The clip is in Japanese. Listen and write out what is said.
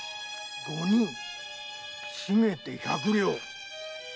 五人しめて百両。